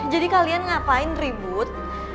jadi kalian ngapain ribut